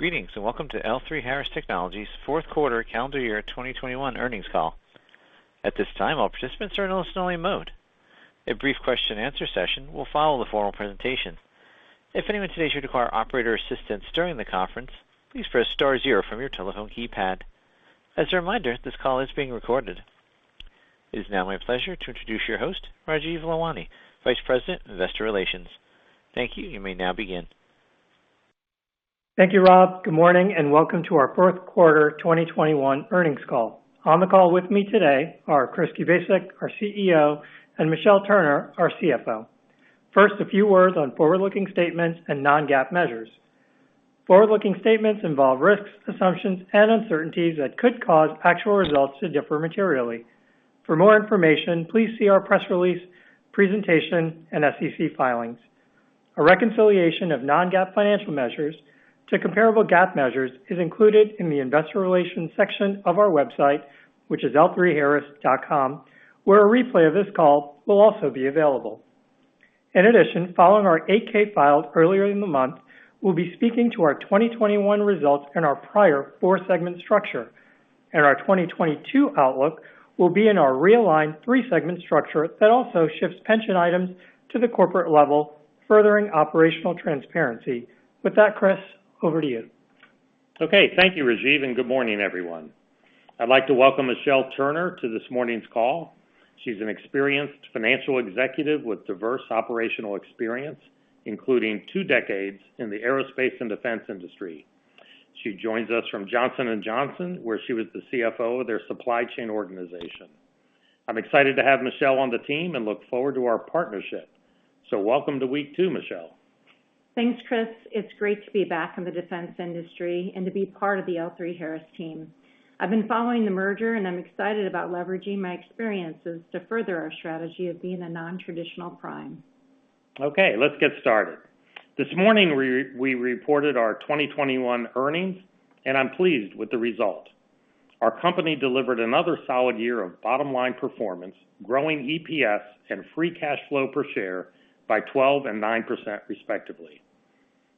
Greetings, and welcome to L3Harris Technologies Fourth Quarter Calendar Year 2021 Earnings Call. At this time, all participants are in a listen-only mode. A brief question and answer session will follow the formal presentation. If anyone today should require operator assistance during the conference, please press star zero from your telephone keypad. As a reminder, this call is being recorded. It is now my pleasure to introduce your host, Rajeev Lalwani, Vice President, Investor Relations. Thank you. You may now begin. Thank you, Rob. Good morning, and Welcome to our Fourth Quarter 2021 Earnings Call. On the call with me today are Chris Kubasik, our CEO, and Michelle Turner, our CFO. First, a few words on forward-looking statements and non-GAAP measures. Forward-looking statements involve risks, assumptions, and uncertainties that could cause actual results to differ materially. For more information, please see our press release, presentation, and SEC filings. A reconciliation of non-GAAP financial measures to comparable GAAP measures is included in the investor relations section of our website, which is L3Harris.com, where a replay of this call will also be available. In addition, following our 8-K filed earlier in the month, we'll be speaking to our 2021 results in our prior four-segment structure. Our 2022 outlook will be in our realigned three-segment structure that also shifts pension items to the corporate level, furthering operational transparency. With that, Chris, over to you. Okay. Thank you, Rajeev, and good morning, everyone. I'd like to welcome Michelle Turner to this morning's call. She's an experienced financial executive with diverse operational experience, including two decades in the aerospace and defense industry. She joins us from Johnson & Johnson, where she was the CFO of their supply chain organization. I'm excited to have Michelle on the team, and look forward to our partnership. Welcome to week two, Michelle. Thanks, Chris. It's great to be back in the defense industry and to be part of the L3Harris team. I've been following the merger, and I'm excited about leveraging my experiences to further our strategy of being a non-traditional prime. Okay, let's get started. This morning we reported our 2021 earnings, and I'm pleased with the result. Our company delivered another solid year of bottom-line performance, growing EPS and free cash flow per share by 12% and 9% respectively.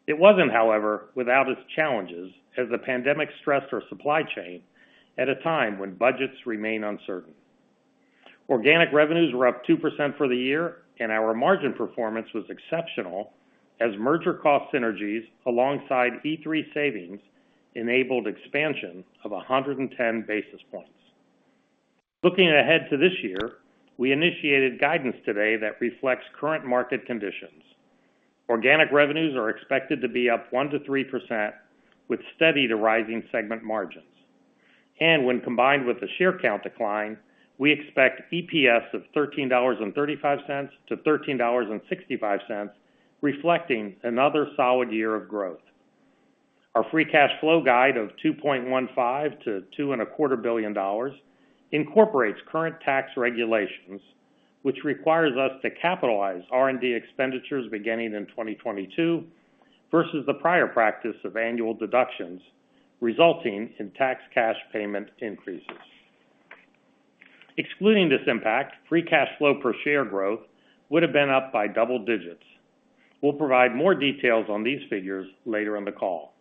It wasn't, however, without its challenges, as the pandemic stressed our supply chain at a time when budgets remain uncertain. Organic revenues were up 2% for the year, and our margin performance was exceptional as merger cost synergies alongside E3 savings enabled expansion of 110 basis points. Looking ahead to this year, we initiated guidance today that reflects current market conditions. Organic revenues are expected to be up 1%-3% with steady to rising segment margins. When combined with the share count decline, we expect EPS of $13.35-$13.65, reflecting another solid year of growth. Our free cash flow guide of $2.15 billion-$2.25 billion incorporates current tax regulations, which requires us to capitalize R&D expenditures beginning in 2022 versus the prior practice of annual deductions, resulting in tax cash payment increases. Excluding this impact, free cash flow per share growth would have been up by double digits. We'll provide more details on these figures later in the call.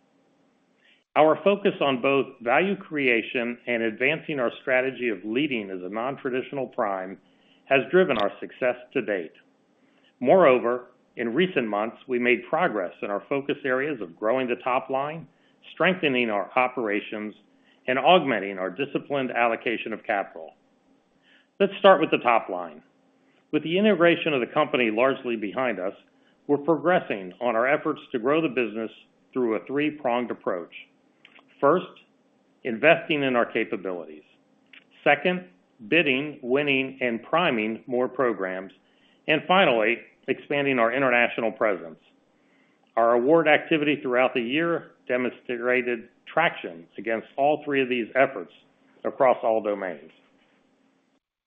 Our focus on both value creation and advancing our strategy of leading as a non-traditional prime has driven our success to date. Moreover, in recent months, we made progress in our focus areas of growing the top line, strengthening our operations, and augmenting our disciplined allocation of capital. Let's start with the top line. With the integration of the company largely behind us, we're progressing on our efforts to grow the business through a three-pronged approach. First, investing in our capabilities. Second, bidding, winning, and priming more programs. And finally, expanding our international presence. Our award activity throughout the year demonstrated traction against all three of these efforts across all domains.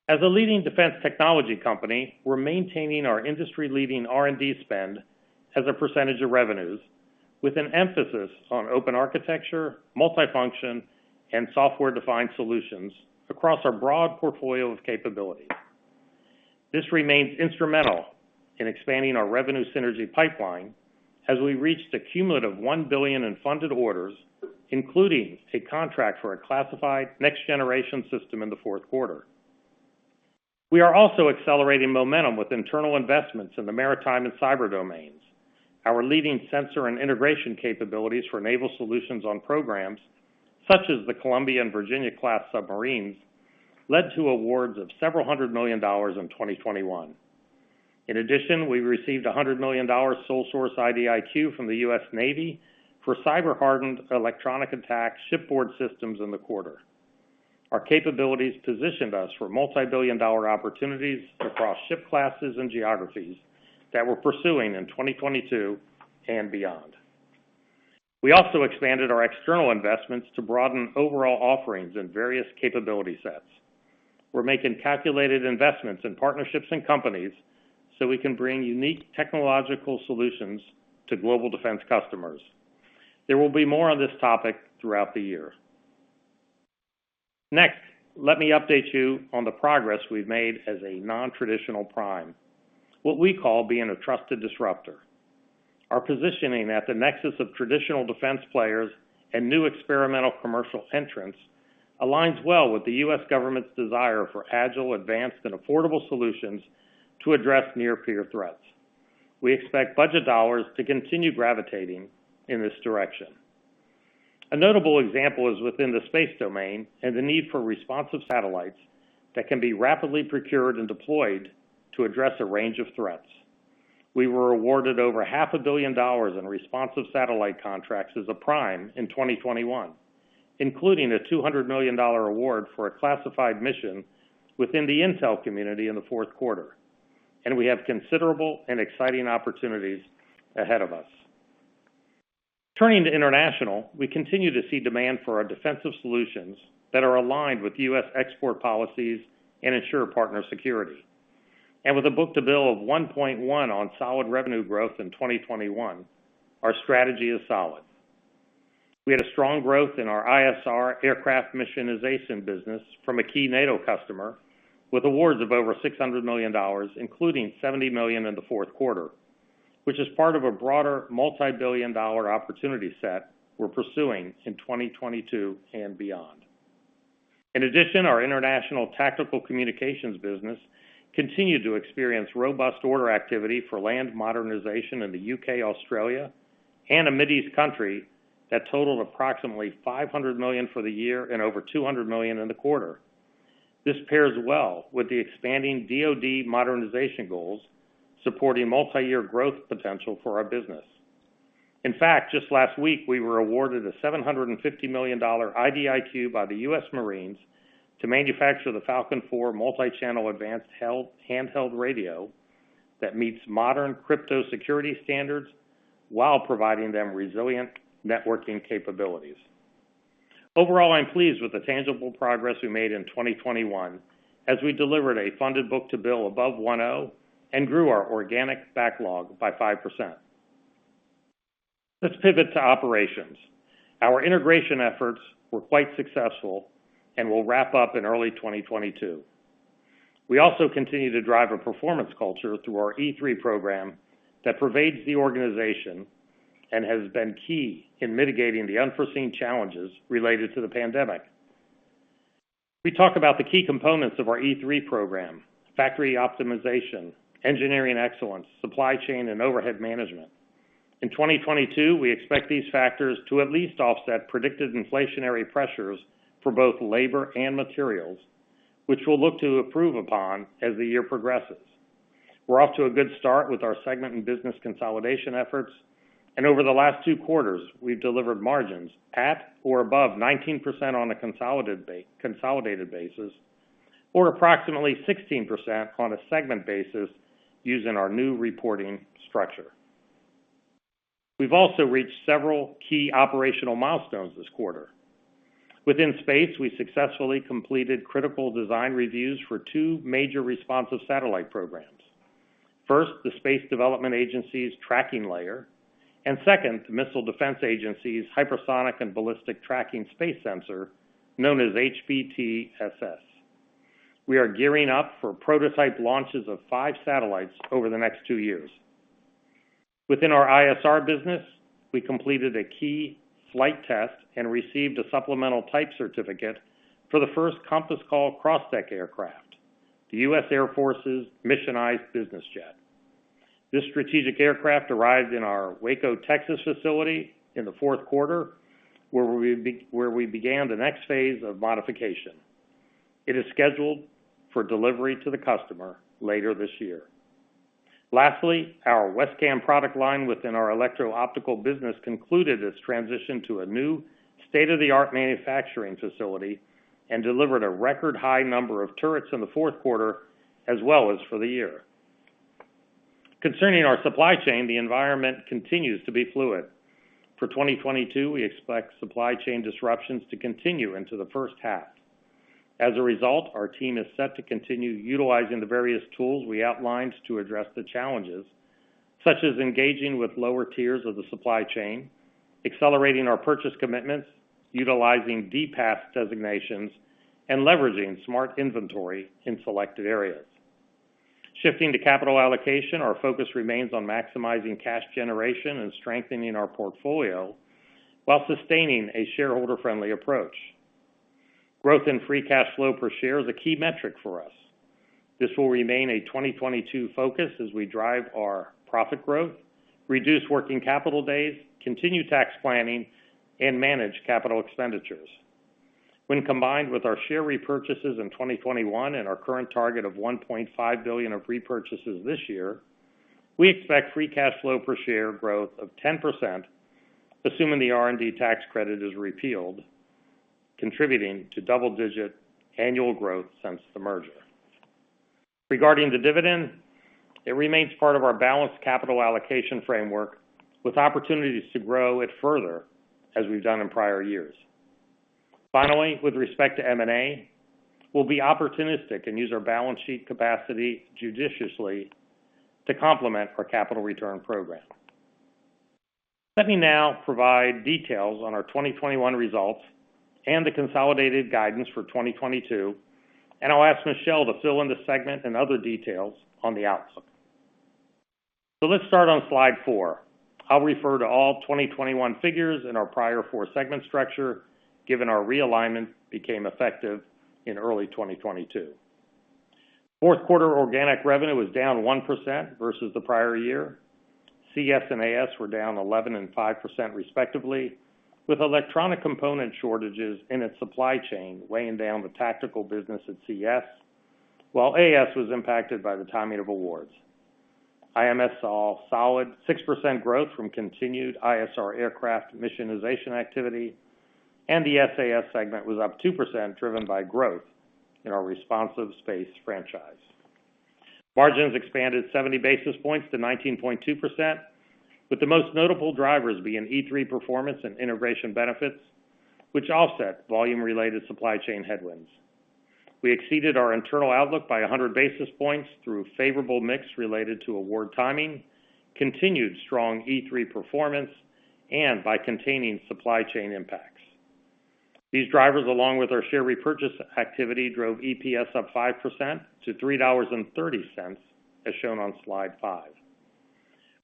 As a leading defense technology company, we're maintaining our industry-leading R&D spend as a percentage of revenues with an emphasis on open architecture, multifunction, and software-defined solutions across our broad portfolio of capabilities. This remains instrumental in expanding our revenue synergy pipeline as we reached a cumulative $1 billion in funded orders, including a contract for a classified next-generation system in the fourth quarter. We are also accelerating momentum with internal investments in the maritime and cyber domains. Our leading sensor and integration capabilities for naval solutions on programs such as the Columbia-class and Virginia-class submarines led to awards of $several hundred million in 2021. In addition, we received $100 million sole source IDIQ from the U.S. Navy for cyber-hardened electronic attack shipboard systems in the quarter. Our capabilities positioned us for multi-billion-dollar opportunities across ship classes and geographies that we're pursuing in 2022 and beyond. We also expanded our external investments to broaden overall offerings in various capability sets. We're making calculated investments in partnerships and companies so we can bring unique technological solutions to global defense customers. There will be more on this topic throughout the year. Next, let me update you on the progress we've made as a non-traditional prime, what we call being a trusted disruptor. Our positioning at the nexus of traditional defense players and new experimental commercial entrants aligns well with the U.S. government's desire for agile, advanced, and affordable solutions to address near-peer threats. We expect budget dollars to continue gravitating in this direction. A notable example is within the space domain and the need for responsive satellites that can be rapidly procured and deployed to address a range of threats. We were awarded over half a billion dollars in responsive satellite contracts as a prime in 2021, including a $200 million award for a classified mission within the intel community in the fourth quarter, and we have considerable and exciting opportunities ahead of us. Turning to international, we continue to see demand for our defensive solutions that are aligned with U.S. export policies and ensure partner security. With a book-to-bill of 1.1 on solid revenue growth in 2021, our strategy is solid. We had a strong growth in our ISR aircraft missionization business from a key NATO customer with awards of over $600 million, including $70 million in the fourth quarter, which is part of a broader multibillion-dollar opportunity set we're pursuing in 2022 and beyond. In addition, our international tactical communications business continued to experience robust order activity for land modernization in the U.K., Australia, and a Mideast country that totaled approximately $500 million for the year and over $200 million in the quarter. This pairs well with the expanding DoD modernization goals, supporting multiyear growth potential for our business. In fact, just last week, we were awarded a $750 million IDIQ by the U.S. Marines to manufacture the Falcon IV multi-channel advanced handheld radio that meets modern crypto security standards while providing them resilient networking capabilities. Overall, I'm pleased with the tangible progress we made in 2021 as we delivered a funded book-to-bill above 1.0 and grew our organic backlog by 5%. Let's pivot to operations. Our integration efforts were quite successful and will wrap up in early 2022. We also continue to drive a performance culture through our E3 program that pervades the organization and has been key in mitigating the unforeseen challenges related to the pandemic. We talk about the key components of our E3 program, factory optimization, engineering excellence, supply chain, and overhead management. In 2022, we expect these factors to at least offset predicted inflationary pressures for both labor and materials, which we'll look to improve upon as the year progresses. We're off to a good start with our segment and business consolidation efforts. Over the last two quarters, we've delivered margins at or above 19% on a consolidated basis or approximately 16% on a segment basis using our new reporting structure. We've also reached several key operational milestones this quarter. Within space, we successfully completed critical design reviews for two major responsive satellite programs. First, the Space Development Agency's tracking layer, and second, the Missile Defense Agency's Hypersonic and Ballistic Tracking Space sensor, known as HBTSS. We are gearing up for prototype launches of five satellites over the next two years. Within our ISR business, we completed a key flight test and received a supplemental type certificate for the first Compass Call Cross Deck aircraft, the U.S. Air Force's missionized business jet. This strategic aircraft arrived in our Waco, Texas, facility in the fourth quarter, where we began the next phase of modification. It is scheduled for delivery to the customer later this year. Lastly, our WESCAM product line within our electro-optical business concluded its transition to a new state-of-the-art manufacturing facility and delivered a record high number of turrets in the fourth quarter, as well as for the year. Concerning our supply chain, the environment continues to be fluid. For 2022, we expect supply chain disruptions to continue into the first half. As a result, our team is set to continue utilizing the various tools we outlined to address the challenges, such as engaging with lower tiers of the supply chain, accelerating our purchase commitments, utilizing DPAS designations, and leveraging smart inventory in selected areas. Shifting to capital allocation, our focus remains on maximizing cash generation and strengthening our portfolio while sustaining a shareholder-friendly approach. Growth in free cash flow per share is a key metric for us. This will remain a 2022 focus as we drive our profit growth, reduce working capital days, continue tax planning, and manage capital expenditures. When combined with our share repurchases in 2021 and our current target of $1.5 billion of repurchases this year, we expect free cash flow per share growth of 10%, assuming the R&D tax credit is repealed, contributing to double-digit annual growth since the merger. Regarding the dividend, it remains part of our balanced capital allocation framework, with opportunities to grow it further as we've done in prior years. Finally, with respect to M&A, we'll be opportunistic and use our balance sheet capacity judiciously to complement our capital return program. Let me now provide details on our 2021 results and the consolidated guidance for 2022, and I'll ask Michelle to fill in the segment and other details on the outlook. Let's start on slide four. I'll refer to all 2021 figures in our prior four-segment structure, given our realignment became effective in early 2022. Fourth quarter organic revenue was down 1% versus the prior year. CS and AS were down 11% and 5% respectively, with electronic component shortages in its supply chain weighing down the tactical business at CS, while AS was impacted by the timing of awards. IMS saw solid 6% growth from continued ISR aircraft missionization activity, and the SAS segment was up 2%, driven by growth in our responsive space franchise. Margins expanded 70 basis points to 19.2%, with the most notable drivers being E3 performance and integration benefits, which offset volume-related supply chain headwinds. We exceeded our internal outlook by 100 basis points through favorable mix related to award timing, continued strong E3 performance, and by containing supply chain impacts. These drivers, along with our share repurchase activity, drove EPS up 5% to $3.30, as shown on slide 5.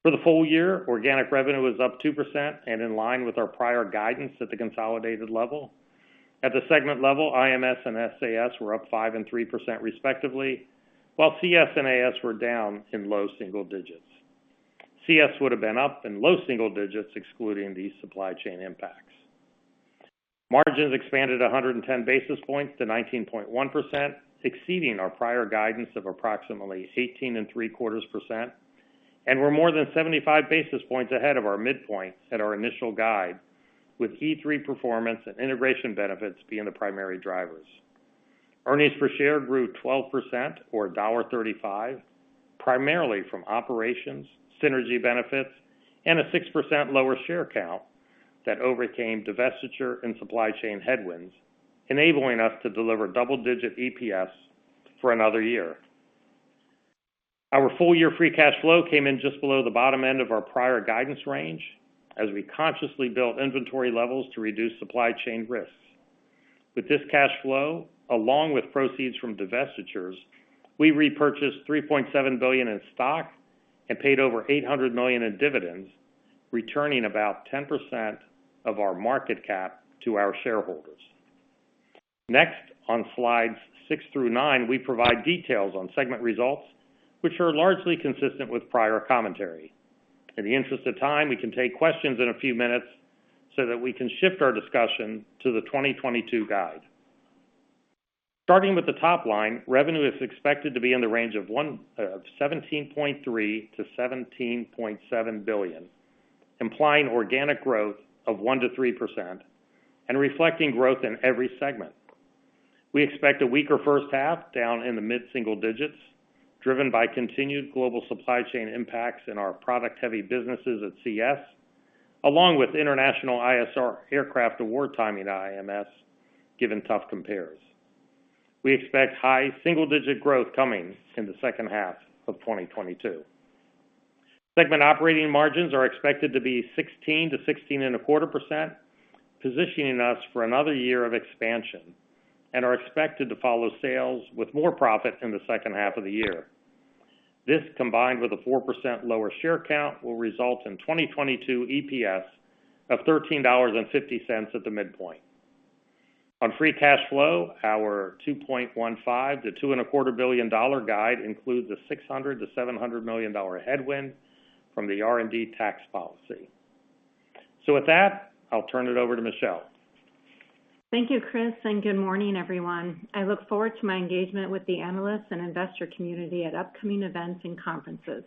For the full year, organic revenue was up 2% and in line with our prior guidance at the consolidated level. At the segment level, IMS and SAS were up 5% and 3% respectively, while CS and AS were down in low single digits. CS would have been up in low single digits excluding these supply chain impacts. Margins expanded 110 basis points to 19.1%, exceeding our prior guidance of approximately 18.75%, and were more than 75 basis points ahead of our midpoint at our initial guide, with E3 performance and integration benefits being the primary drivers. Earnings per share grew 12% or $0.35, primarily from operations, synergy benefits, and a 6% lower share count that overcame divestiture and supply chain headwinds, enabling us to deliver double-digit EPS for another year. Our full year free cash flow came in just below the bottom end of our prior guidance range as we consciously built inventory levels to reduce supply chain risks. With this cash flow, along with proceeds from divestitures, we repurchased $3.7 billion in stock and paid over $800 million in dividends, returning about 10% of our market cap to our shareholders. Next, on slides 6 through 9, we provide details on segment results, which are largely consistent with prior commentary. In the interest of time, we can take questions in a few minutes so that we can shift our discussion to the 2022 guide. Starting with the top line, revenue is expected to be in the range of $17.3 billion-$17.7 billion, implying organic growth of 1%-3% and reflecting growth in every segment. We expect a weaker first half, down in the mid-single digits, driven by continued global supply chain impacts in our product-heavy businesses at CS, along with international ISR aircraft award timing IMS, given tough compares. We expect high single-digit growth coming in the second half of 2022. Segment operating margins are expected to be 16%-16.25%, positioning us for another year of expansion and are expected to follow sales with more profit in the second half of the year. This, combined with a 4% lower share count, will result in 2022 EPS of $13.50 at the midpoint. On free cash flow, our $2.15 billion-$2.25 billion guide includes a $600 million-$700 million headwind from the R&D tax policy. With that, I'll turn it over to Michelle. Thank you, Chris, and good morning, everyone. I look forward to my engagement with the analysts and investor community at upcoming events and conferences.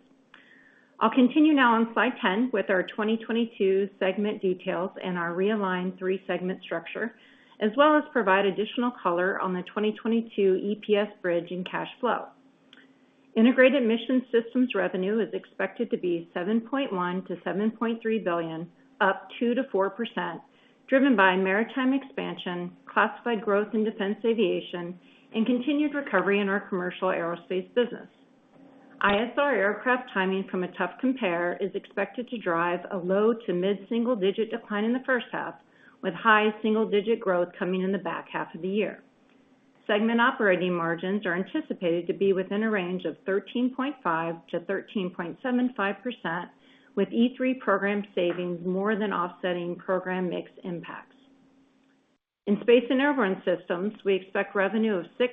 I'll continue now on slide 10 with our 2022 segment details and our realigned three-segment structure, as well as provide additional color on the 2022 EPS bridge and cash flow. Integrated Mission Systems revenue is expected to be $7.1 billion-$7.3 billion, up 2%-4%, driven by maritime expansion, classified growth in defense aviation, and continued recovery in our commercial aerospace business. ISR aircraft timing from a tough compare is expected to drive a low- to mid-single-digit decline in the first half with high single-digit growth coming in the back half of the year. Segment operating margins are anticipated to be within a range of 13.5%-13.75% with E3 program savings more than offsetting program mix impacts. In Space & Airborne Systems, we expect revenue of $6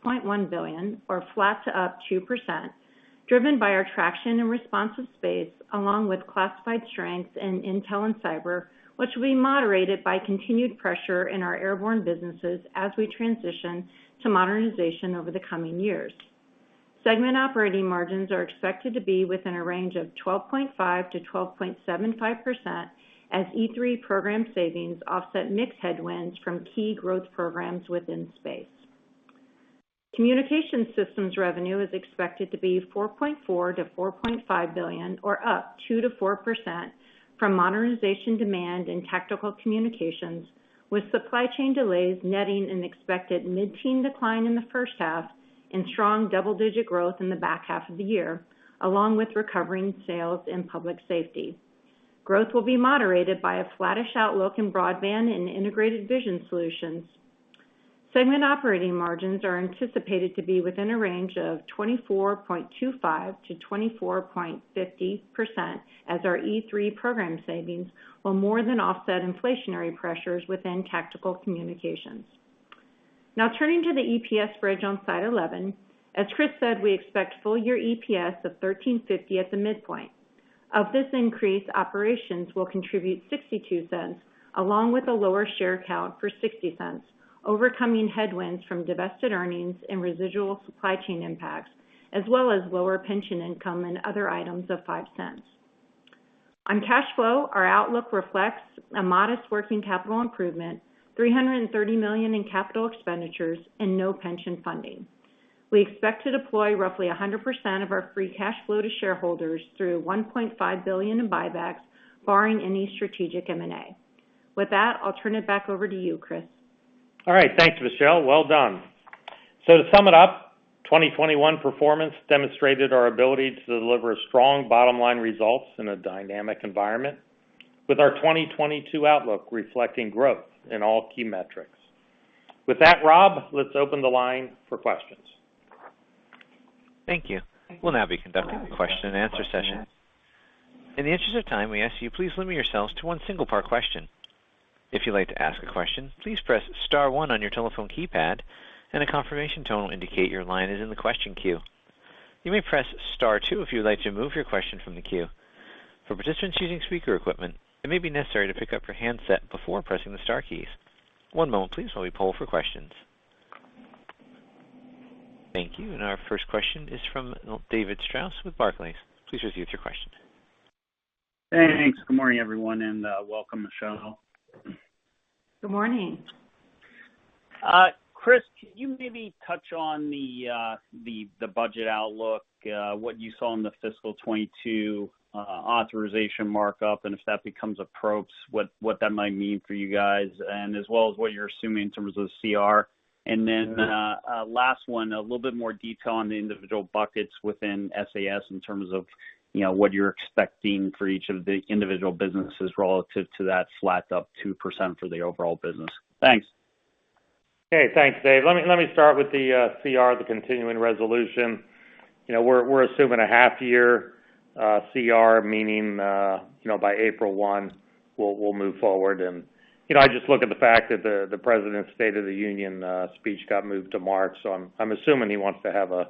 billion-$6.1 billion or flat to +2%, driven by our traction in responsive space along with classified strengths in intel and cyber, which will be moderated by continued pressure in our airborne businesses as we transition to modernization over the coming years. Segment operating margins are expected to be within a range of 12.5%-12.75% as E3 program savings offset mix headwinds from key growth programs within space. Communication systems revenue is expected to be $4.4 billion-$4.5 billion or up 2%-4% from modernization demand in tactical communications, with supply chain delays netting an expected mid-teen decline in the first half. Strong double-digit growth in the back half of the year, along with recovering sales in public safety. Growth will be moderated by a flattish outlook in broadband and integrated vision solutions. Segment operating margins are anticipated to be within a range of 24.25%-24.50%, as our E3 program savings will more than offset inflationary pressures within tactical communications. Now turning to the EPS bridge on slide 11. As Chris said, we expect full year EPS of 13.50 at the midpoint. Of this increase, operations will contribute $0.62, along with a lower share count for $0.60, overcoming headwinds from divested earnings and residual supply chain impacts, as well as lower pension income and other items of $0.05. On cash flow, our outlook reflects a modest working capital improvement, $330 million in capital expenditures and no pension funding. We expect to deploy roughly 100% of our free cash flow to shareholders through $1.5 billion in buybacks, barring any strategic M&A. With that, I'll turn it back over to you, Chris. All right. Thanks, Michelle. Well done. To sum it up, 2021 performance demonstrated our ability to deliver strong bottom-line results in a dynamic environment with our 2022 outlook reflecting growth in all key metrics. With that, Rob, let's open the line for questions. Thank you. We'll now be conducting a question-and-answer session. In the interest of time, we ask you, please limit yourselves to one single part question. If you'd like to ask a question, please press star one on your telephone keypad, and a confirmation tone will indicate your line is in the question queue. You may press star two if you would like to remove your question from the queue. For participants using speaker equipment, it may be necessary to pick up your handset before pressing the star keys. One moment please, while we poll for questions. Thank you. Our first question is from David Strauss with Barclays. Please proceed with your question. Thanks. Good morning, everyone, and welcome, Michelle. Good morning. Chris, can you maybe touch on the budget outlook, what you saw in the fiscal 2022 authorization markup, and if that becomes approached, what that might mean for you guys, as well as what you're assuming in terms of CR. Last one, a little bit more detail on the individual buckets within SAS in terms of, you know, what you're expecting for each of the individual businesses relative to that flat to up 2% for the overall business. Thanks. Okay. Thanks, Dave. Let me start with the CR, the continuing resolution. You know, we're assuming a half year CR, meaning, you know, by April 1, we'll move forward. You know, I just look at the fact that the president's State of the Union speech got moved to March, so I'm assuming he wants to have a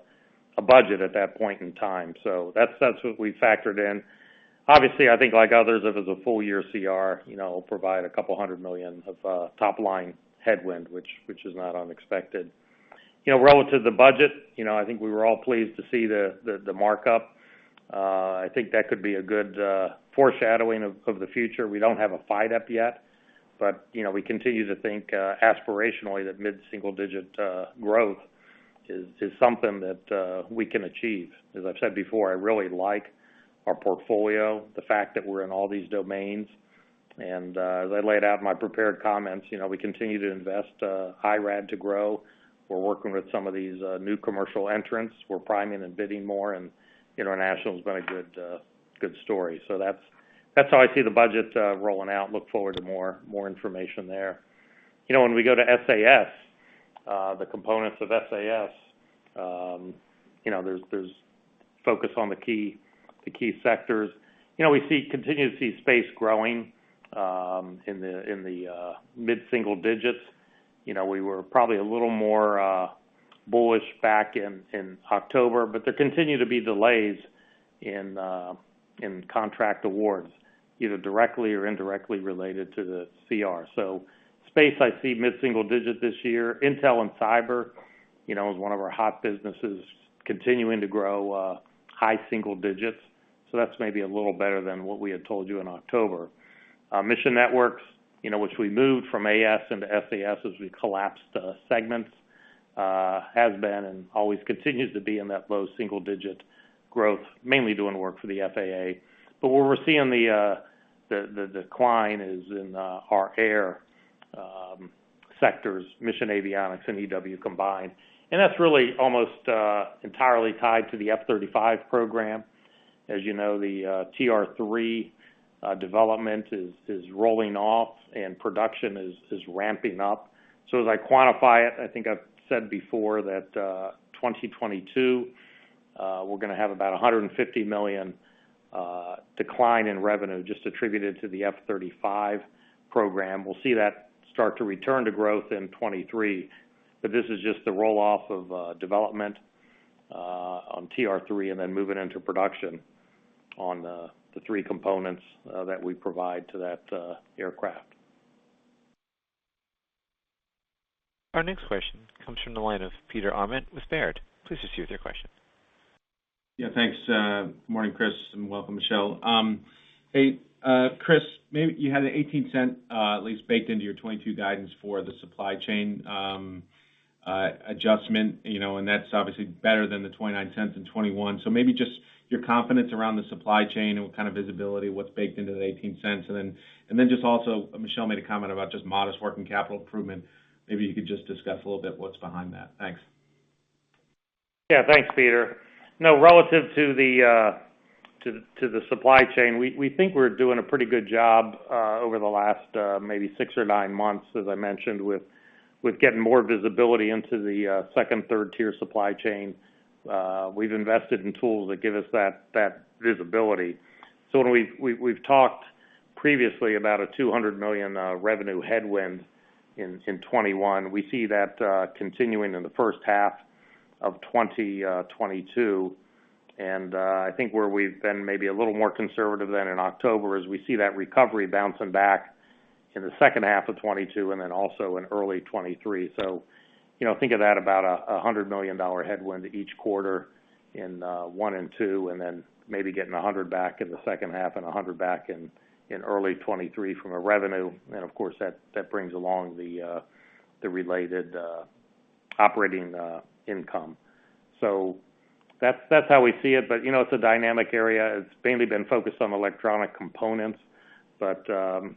budget at that point in time. That's what we factored in. Obviously, I think like others, if it's a full year CR, you know, it'll provide $200 million of top line headwind, which is not unexpected. You know, relative to budget, you know, I think we were all pleased to see the markup. I think that could be a good foreshadowing of the future. We don't have a fight up yet, but you know, we continue to think aspirationally that mid-single-digit growth is something that we can achieve. As I've said before, I really like our portfolio, the fact that we're in all these domains. As I laid out in my prepared comments, you know, we continue to invest high R&D to grow. We're working with some of these new commercial entrants. We're priming and bidding more, and international has been a good story. That's how I see the budget rolling out. Look forward to more information there. You know, when we go to SAS, the components of SAS, you know, there's focus on the key sectors. You know, we continue to see space growing in the mid-single digits. You know, we were probably a little more bullish back in October, but there continue to be delays in contract awards, either directly or indirectly related to the CR. Space, I see mid-single digit this year. Intel and cyber, you know, is one of our hot businesses continuing to grow, high single digits. That's maybe a little better than what we had told you in October. Our mission networks, you know, which we moved from AS into SAS as we collapsed segments, has been and always continues to be in that low single digit growth, mainly doing work for the FAA. Where we're seeing the decline is in our air sectors, Mission Avionics and EW combined. That's really almost entirely tied to the F-35 program. As you know, the TR-3 development is rolling off and production is ramping up. As I quantify it, I think I've said before that, 2022, we're gonna have about $150 million decline in revenue just attributed to the F-35 program. We'll see that start to return to growth in 2023. This is just the roll-off of development on TR-3 and then moving into production on the three components that we provide to that aircraft. Our next question comes from the line of Peter Arment with Baird. Please proceed with your question. Yeah. Thanks, morning, Chris, and welcome, Michelle. Hey, Chris, maybe you had an $0.18 at least baked into your 2022 guidance for the supply chain adjustment, you know, and that's obviously better than the 29 cents in 2021. Maybe just your confidence around the supply chain and what kind of visibility, what's baked into the $0.18. Then just also, Michelle made a comment about just modest working capital improvement. Maybe you could just discuss a little bit what's behind that. Thanks. Yeah. Thanks, Peter. No, relative to the supply chain, we think we're doing a pretty good job over the last maybe six or nine months, as I mentioned, with getting more visibility into the second, third tier supply chain. We've invested in tools that give us that visibility. When we've talked previously about a $200 million revenue headwind in 2021, we see that continuing in the first half of 2022. I think where we've been maybe a little more conservative than in October is we see that recovery bouncing back in the second half of 2022 and then also in early 2023. You know, think of that about a $100 million headwind each quarter in one and two, and then maybe getting $100 million back in the second half and $100 million back in early 2023 from revenue. Of course, that brings along the related operating income. That's how we see it. You know, it's a dynamic area. It's mainly been focused on electronic components, but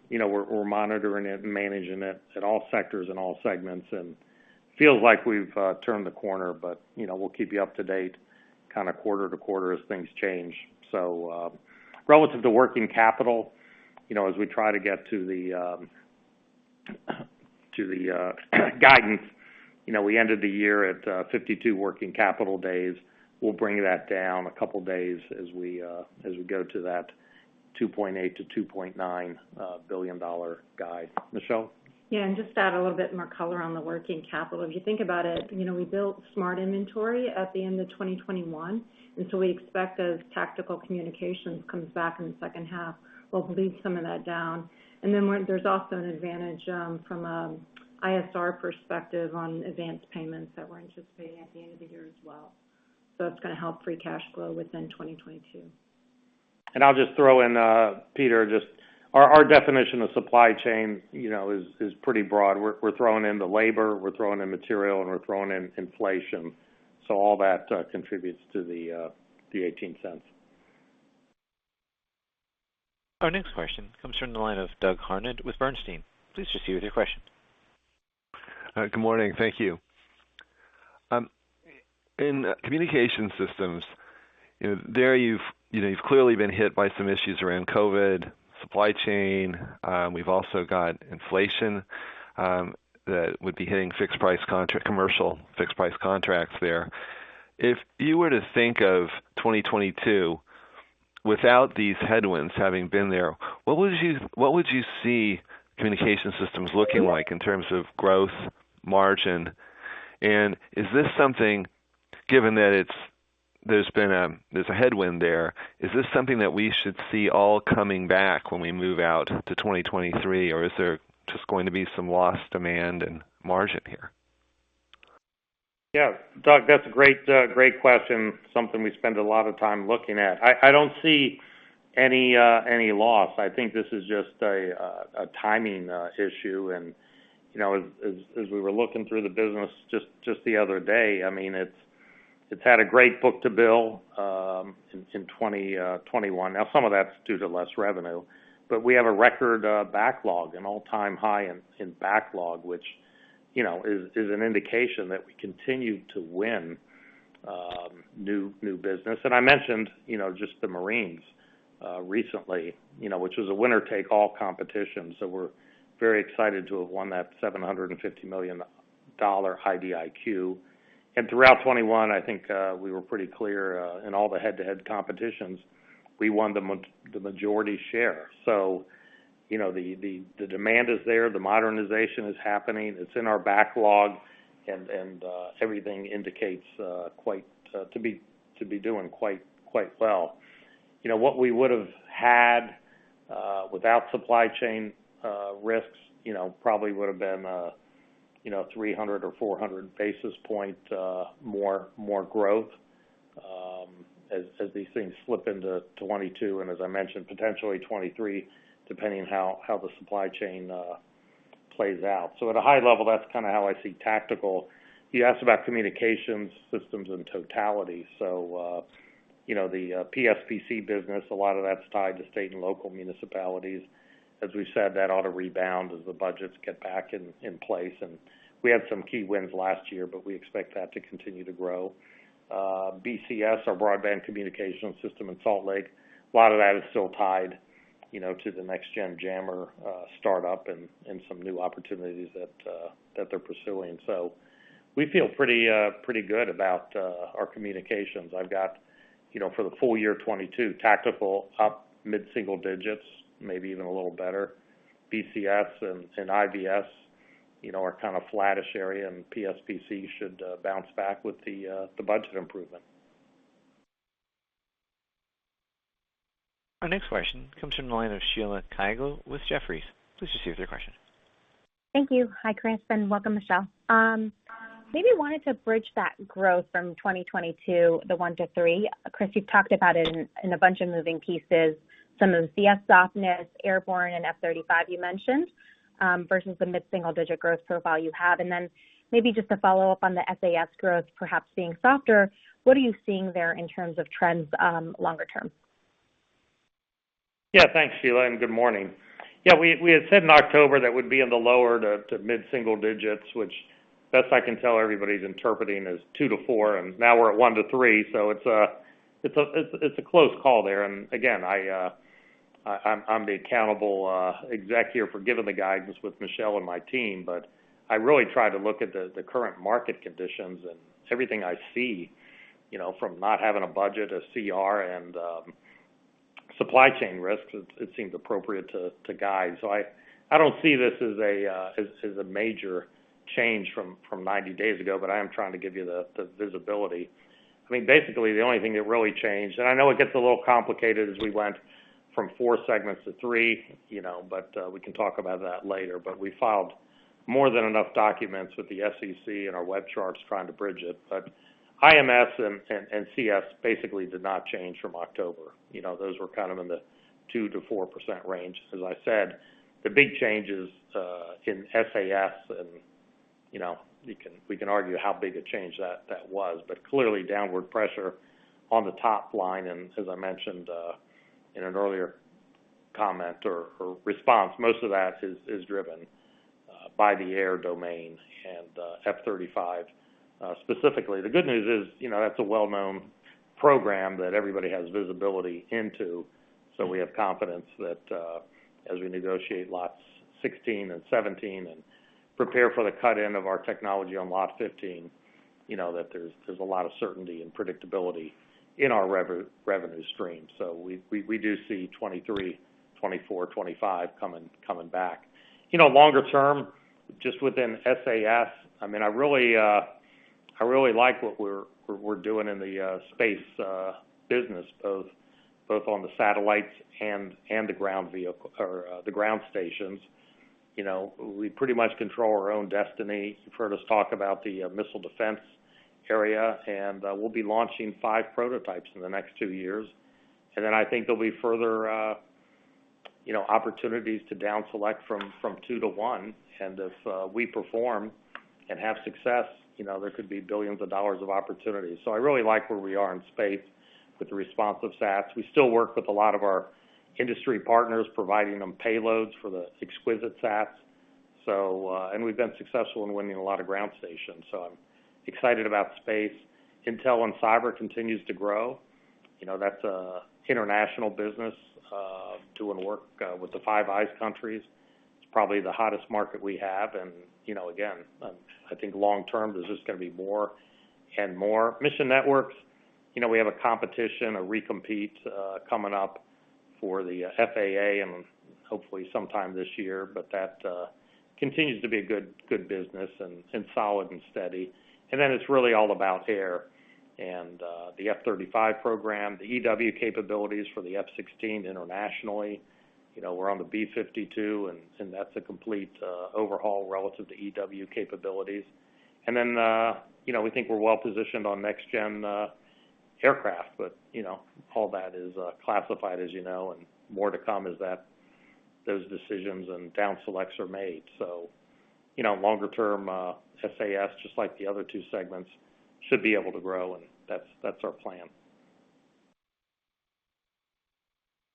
you know, we're monitoring it and managing it in all sectors and all segments, and it feels like we've turned the corner. You know, we'll keep you up to date quarter to quarter as things change. Relative to working capital, you know, as we try to get to the guidance, you know, we ended the year at 52 working capital days. We'll bring that down a couple days as we go to that $2.8 billion-$2.9 billion guide. Michelle? Yeah. Just to add a little bit more color on the working capital. If you think about it, you know, we built smart inventory at the end of 2021, and so we expect as tactical communications comes back in the second half, we'll lead some of that down. Then there's also an advantage from ISR perspective on advanced payments that we're anticipating at the end of the year as well. It's gonna help free cash flow within 2022. I'll just throw in, Peter, just our definition of supply chain, you know, is pretty broad. We're throwing in the labor, we're throwing in material, and we're throwing in inflation. All that contributes to the $0.18. Our next question comes from the line of Doug Harned with Bernstein. Please proceed with your question. Good morning. Thank you. In communication systems, you know, you've clearly been hit by some issues around COVID, supply chain. We've also got inflation that would be hitting fixed price contracts, commercial fixed price contracts there. If you were to think of 2022 without these headwinds having been there, what would you see communication systems looking like in terms of growth margin? Is this something, given that it's a headwind there, that we should see all coming back when we move out to 2023, or is there just going to be some lost demand and margin here? Yeah. Doug, that's a great question, something we spend a lot of time looking at. I don't see any loss. I think this is just a timing issue. You know, as we were looking through the business just the other day, I mean, it's had a great book to bill in 2021. Now some of that's due to less revenue. We have a record backlog, an all-time high in backlog, which, you know, is an indication that we continue to win new business. I mentioned you know just the Marines recently, you know, which was a winner-take-all competition. We're very excited to have won that $750 million IDIQ. Throughout 2021, I think, we were pretty clear in all the head-to-head competitions, we won the majority share. You know, the demand is there, the modernization is happening, it's in our backlog, and everything indicates quite to be doing quite well. You know, what we would've had without supply chain risks, you know, probably would've been, you know, 300 or 400 basis points more growth, as these things slip into 2022, and as I mentioned, potentially 2023, depending on how the supply chain plays out. At a high level, that's kinda how I see tactical. You asked about Communications Systems in totality. You know, the PSPC business, a lot of that's tied to state and local municipalities. As we've said, that ought to rebound as the budgets get back in place. We had some key wins last year, but we expect that to continue to grow. BCS, our Broadband Communication System in Salt Lake, a lot of that is still tied, you know, to the Next Generation Jammer startup and some new opportunities that they're pursuing. We feel pretty good about our communications. I've got, you know, for the full year 2022, tactical up mid-single digits, maybe even a little better. BCS and IVS, you know, are kind of flattish area, and PSPC should bounce back with the budget improvement. Our next question comes from the line of Sheila Kahyaoglu with Jefferies. Please proceed with your question. Thank you. Hi, Chris, and welcome, Michelle. Maybe wanted to bridge that growth from 2022, the 1-3. Chris, you've talked about it in a bunch of moving pieces, some of the CS softness, airborne and F-35 you mentioned, versus the mid-single-digit growth profile you have. Then maybe just to follow up on the SAS growth perhaps being softer, what are you seeing there in terms of trends, longer term? Yeah. Thanks, Sheila, and good morning. Yeah. We had said in October that we'd be in the lower- to mid-single digits, which, best I can tell, everybody's interpreting as 2%-4%, and now we're at 1%-3%. It's a close call there. Again, I'm the accountable exec here for giving the guidance with Michelle and my team, but I really try to look at the current market conditions. Everything I see, you know, from not having a budget, a CR, and supply chain risks, it seems appropriate to guide. I don't see this as a major change from 90 days ago, but I am trying to give you the visibility. I mean, basically, the only thing that really changed, and I know it gets a little complicated as we went from four segments to three, you know, but we can talk about that later. We filed more than enough documents with the SEC and our web charts trying to bridge it. IMS and CS basically did not change from October. You know, those were kind of in the 2%-4% range. As I said, the big change is in SAS and, you know, we can argue how big a change that was. Clearly, downward pressure on the top line. As I mentioned in an earlier comment or response, most of that is driven by the air domain and F-35 specifically. The good news is, you know, that's a well-known program that everybody has visibility into, so we have confidence that, as we negotiate lots 16 and 17 and prepare for the cut in of our technology on lot 15, you know, that there's a lot of certainty and predictability in our revenue stream. So we do see 2023, 2024, 2025 coming back. You know, longer term, just within SAS, I mean, I really like what we're doing in the space business, both on the satellites and the ground vehicle or the ground stations. You know, we pretty much control our own destiny. You've heard us talk about the missile defense area, and we'll be launching five prototypes in the next two years. Then I think there'll be further, you know, opportunities to down select from two to one. If we perform and have success, you know, there could be $ billions of opportunities. I really like where we are in space with the responsive Sats. We still work with a lot of our industry partners, providing them payloads for the exquisite sats. We've been successful in winning a lot of ground stations, so I'm excited about space. Intel and cyber continues to grow. You know, that's an international business, doing work with the Five Eyes countries. It's probably the hottest market we have. You know, again, I think long term, there's just gonna be more and more. Mission networks, you know, we have a competition, a recompete, coming up for the FAA and hopefully sometime this year. That continues to be a good business and solid and steady. It's really all about air and the F-35 program, the EW capabilities for the F-16 internationally. You know, we're on the B-52, and that's a complete overhaul relative to EW capabilities. You know, we think we're well positioned on next gen aircraft. You know, all that is classified, as you know, and more to come as those decisions and down selects are made. You know, longer term, SAS, just like the other two segments, should be able to grow, and that's our plan.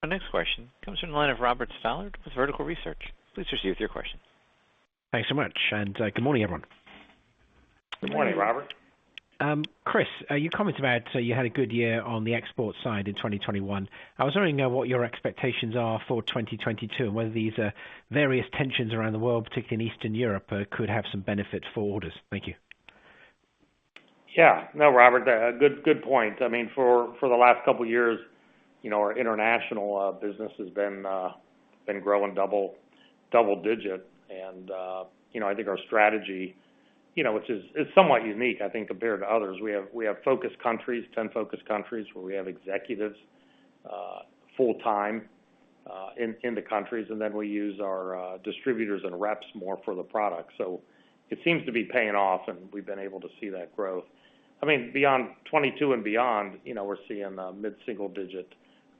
Our next question comes from the line of Robert Stallard with Vertical Research. Please proceed with your question. Thanks so much, and good morning, everyone. Good morning, Robert. Chris, you commented about you had a good year on the export side in 2021. I was wondering what your expectations are for 2022, and whether these various tensions around the world, particularly in Eastern Europe, could have some benefit for orders. Thank you. Yeah. No, Robert, good point. I mean, for the last couple years, you know, our international business has been growing double-digit. You know, I think our strategy, you know, which is somewhat unique, I think, compared to others. We have focused countries, 10 focused countries, where we have executives full-time in the countries, and then we use our distributors and reps more for the product. It seems to be paying off, and we've been able to see that growth. I mean, beyond 2022 and beyond, you know, we're seeing mid-single-digit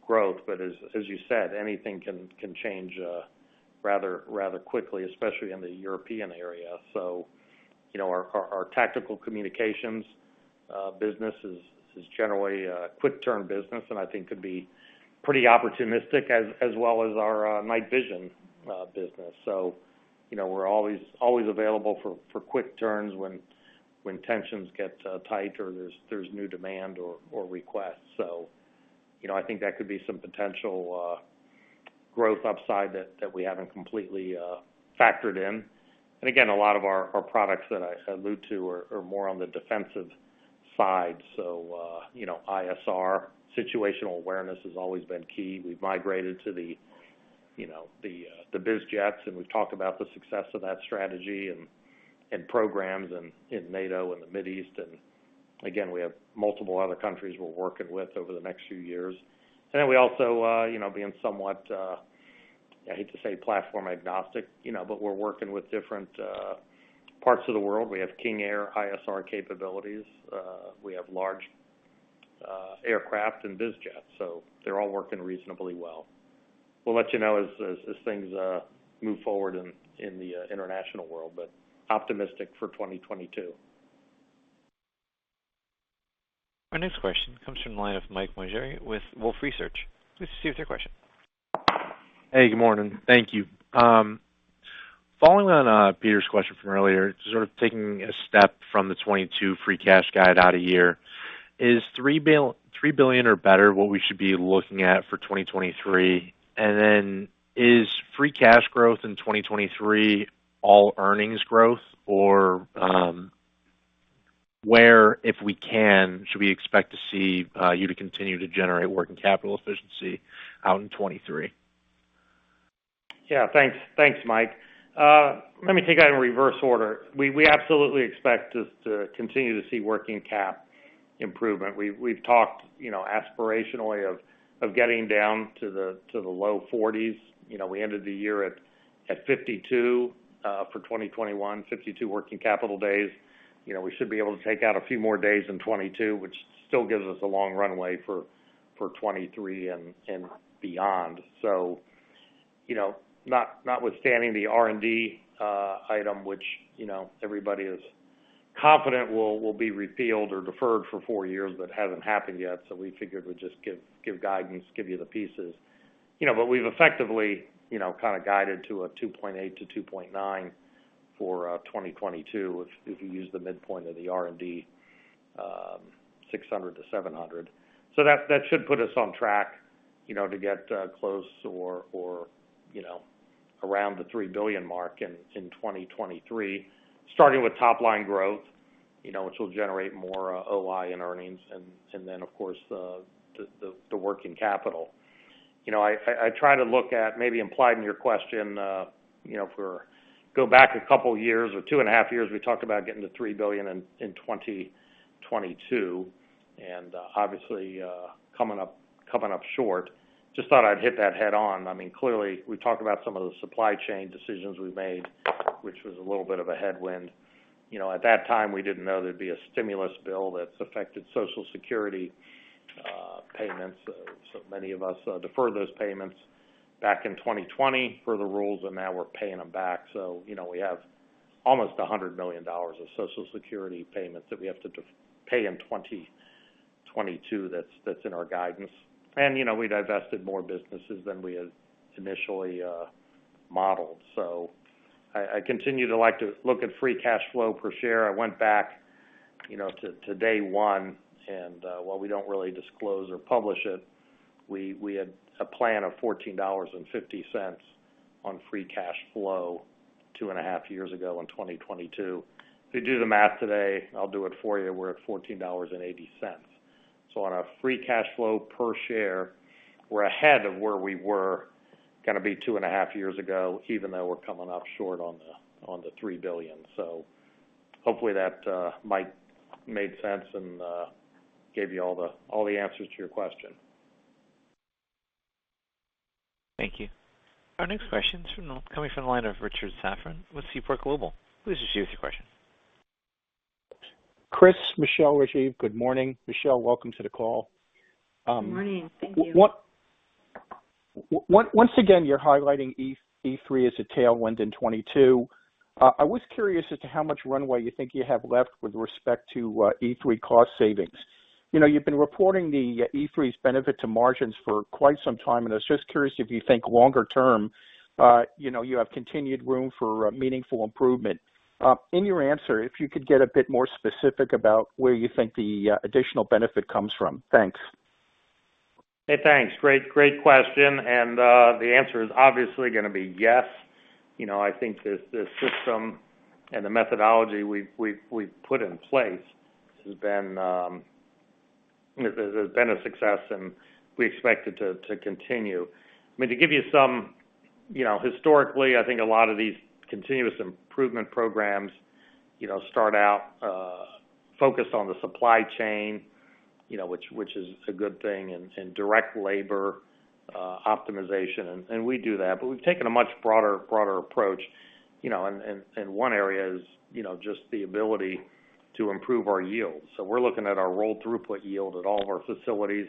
growth. As you said, anything can change rather quickly, especially in the European area. You know, our tactical communications business is generally a quick turn business, and I think could be pretty opportunistic as well as our night vision business. You know, we're always available for quick turns when tensions get tight or there's new demand or requests. You know, I think that could be some potential growth upside that we haven't completely factored in. Again, a lot of our products that I allude to are more on the defensive side. You know, ISR situational awareness has always been key. We've migrated to the biz jets, you know, and we've talked about the success of that strategy and programs in NATO and the Middle East. Again, we have multiple other countries we're working with over the next few years. We also, you know, being somewhat, I hate to say platform agnostic, you know, but we're working with different parts of the world. We have King Air ISR capabilities. We have large aircraft and biz jets, so they're all working reasonably well. We'll let you know as things move forward in the international world, but optimistic for 2022. Our next question comes from the line of Mike Maugeri with Wolfe Research. Please proceed with your question. Hey, good morning. Thank you. Following on Peter's question from earlier, sort of taking a step from the 2022 free cash guide out a year, is $3 billion or better what we should be looking at for 2023? And then is free cash growth in 2023 all earnings growth? Or, where, if we can, should we expect to see you to continue to generate working capital efficiency out in 2023? Yeah, thanks. Thanks, Mike. Let me take that in reverse order. We absolutely expect to continue to see working cap improvement. We've talked, you know, aspirationally of getting down to the low 40s. You know, we ended the year at 52 for 2021, 52 working capital days. You know, we should be able to take out a few more days in 2022, which still gives us a long runway for 2023 and beyond. You know, notwithstanding the R&D item, which, you know, everybody is confident will be repealed or deferred for four years, but hasn't happened yet, so we figured we'd just give guidance, give you the pieces. You know, we've effectively, you know, kind of guided to $2.8 billion-$2.9 billion for 2022 if you use the midpoint of the $600 million-$700 million R&D. That should put us on track, you know, to get close or, you know, around the $3 billion mark in 2023, starting with top line growth, you know, which will generate more OI and earnings and then of course the working capital. You know, I try to look at maybe implied in your question, you know, if we go back a couple years or 2.5 years, we talked about getting to $3 billion in 2022, and obviously coming up short. Just thought I'd hit that head on. I mean, clearly we've talked about some of the supply chain decisions we've made, which was a little bit of a headwind. You know, at that time we didn't know there'd be a stimulus bill that has affected Social Security payments. So many of us deferred those payments back in 2020 per the rules, and now we're paying them back. You know, we have almost $100 million of Social Security payments that we have to repay in 2022. That's in our guidance. You know, we divested more businesses than we had initially modeled. I continue to like to look at free cash flow per share. I went back, you know, to day one and while we don't really disclose or publish it, we had a plan of $14.50 on free cash flow two and a half years ago in 2022. If you do the math today, I'll do it for you, we're at $14.80. On a free cash flow per share, we're ahead of where we were gonna be two and a half years ago, even though we're coming up short on the $3 billion. Hopefully that, Mike, made sense and gave you all the answers to your question. Thank you. Our next question's coming from the line of Richard Safran with Seaport Global. Please proceed with your question. Chris, Michelle, Rajeev, good morning. Michelle, welcome to the call. Good morning. Thank you. Once again, you're highlighting E3 as a tailwind in 2022. I was curious as to how much runway you think you have left with respect to E3 cost savings. You know, you've been reporting the E3's benefit to margins for quite some time, and I was just curious if you think longer term, you know, you have continued room for meaningful improvement. In your answer, if you could get a bit more specific about where you think the additional benefit comes from. Thanks. Hey, thanks. Great question. The answer is obviously gonna be yes. You know, I think the system and the methodology we've put in place has been a success and we expect it to continue. I mean, to give you some. You know, historically, I think a lot of these continuous improvement programs start out focused on the supply chain, which is a good thing, and direct labor optimization, and we do that. We've taken a much broader approach, and one area is just the ability to improve our yields. We're looking at our rolled throughput yield at all of our facilities.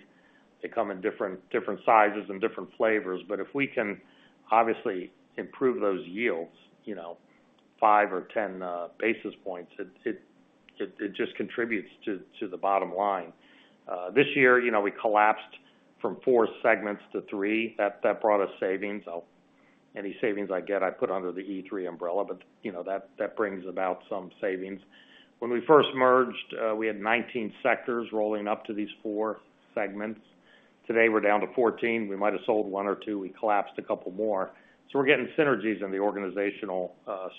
They come in different sizes and different flavors. If we can obviously improve those yields, you know, 5 or 10 basis points, it just contributes to the bottom line. This year, you know, we collapsed from 4 segments to 3. That brought us savings. Any savings I get, I put under the E3 umbrella, but, you know, that brings about some savings. When we first merged, we had 19 sectors rolling up to these 4 segments. Today, we're down to 14. We might have sold 1 or 2. We collapsed a couple more. We're getting synergies in the organizational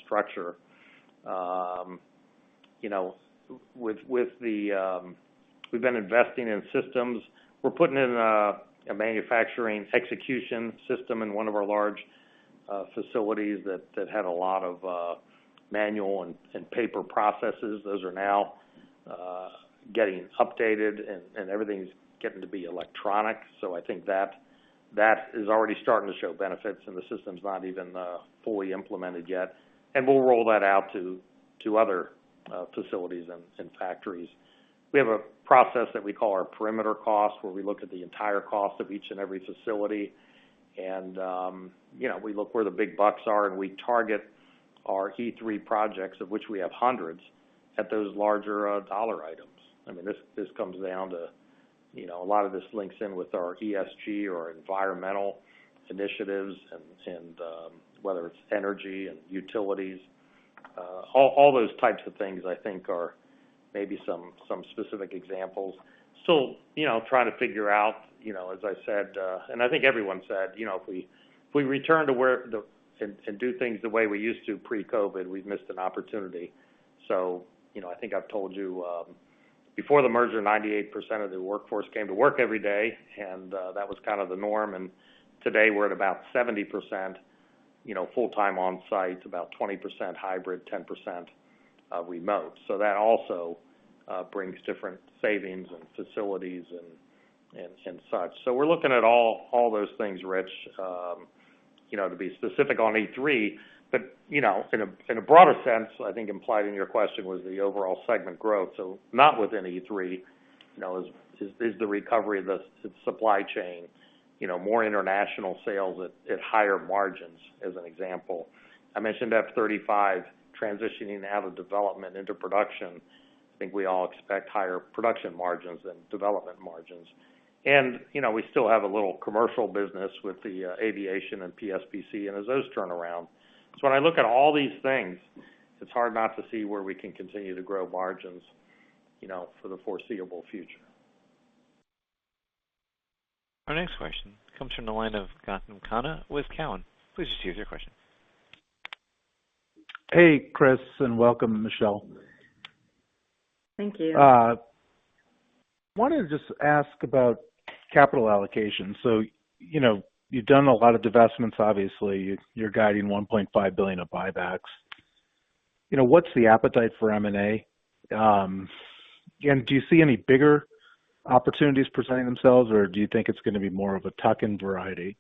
structure. You know, we've been investing in systems. We're putting in a manufacturing execution system in one of our large facilities that had a lot of manual and paper processes. Those are now getting updated and everything's getting to be electronic. I think that is already starting to show benefits, and the system's not even fully implemented yet. We'll roll that out to other facilities and factories. We have a process that we call our perimeter cost, where we look at the entire cost of each and every facility. You know, we look where the big bucks are and we target our E3 projects, of which we have hundreds, at those larger dollar items. I mean, this comes down to, you know, a lot of this links in with our ESG or environmental initiatives and whether it's energy and utilities. All those types of things I think are maybe some specific examples. You know, trying to figure out, you know, as I said, and I think everyone said, you know, if we return to and do things the way we used to pre-COVID, we've missed an opportunity. You know, I think I've told you, before the merger, 98% of the workforce came to work every day, and that was kind of the norm. Today we're at about 70% full-time on site, about 20% hybrid, 10% remote. That also brings different savings and facilities and such. We're looking at all those things, Rich, you know, to be specific on E3. You know, in a broader sense, I think implied in your question was the overall segment growth. Not within E3, you know, is the recovery of the supply chain, you know, more international sales at higher margins, as an example. I mentioned F-35 transitioning out of development into production. I think we all expect higher production margins than development margins. You know, we still have a little commercial business with the aviation and PSPC and as those turn around. When I look at all these things, it's hard not to see where we can continue to grow margins, you know, for the foreseeable future. Our next question comes from the line of Gautam Khanna with Cowen. Please just proceed with your question. Hey, Chris, and welcome, Michelle. Thank you. I wanted to just ask about capital allocation. You know, you've done a lot of divestments, obviously. You're guiding $1.5 billion of buybacks. You know, what's the appetite for M&A? And do you see any bigger opportunities presenting themselves, or do you think it's gonna be more of a tuck-in variety?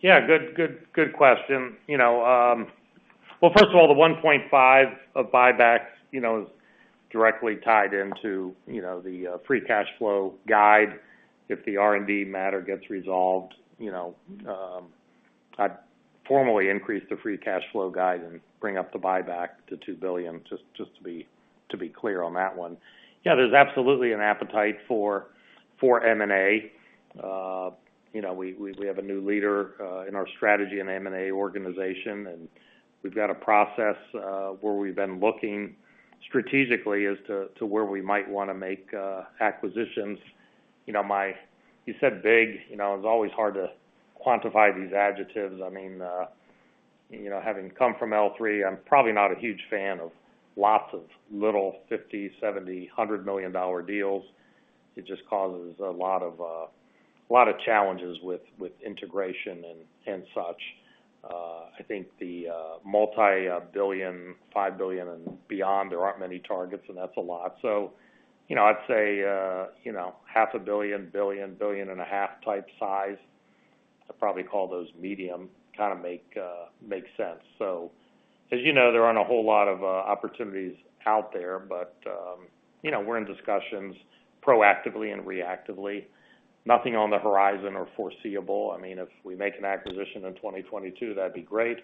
Yeah. Good question. You know, well, first of all, the $1.5 billion of buybacks, you know, is directly tied into, you know, the free cash flow guide. If the R&D matter gets resolved, you know, I'd formally increase the free cash flow guide and bring up the buyback to $2 billion, just to be clear on that one. Yeah, there's absolutely an appetite for M&A. You know, we have a new leader in our strategy and M&A organization, and we've got a process where we've been looking strategically as to where we might wanna make acquisitions. You know, you said big. You know, it's always hard to quantify these adjectives. I mean, you know, having come from L-3, I'm probably not a huge fan of lots of little $50 million, $70 million, $100 million deals. It just causes a lot of challenges with integration and such. I think the multi-billion, $5 billion and beyond, there aren't many targets, and that's a lot. You know, I'd say, you know, half a billion, $1 billion, $1.5 billion type size, I'd probably call those medium, kinda make sense. As you know, there aren't a whole lot of opportunities out there, but you know, we're in discussions proactively and reactively. Nothing on the horizon or foreseeable. I mean, if we make an acquisition in 2022, that'd be great.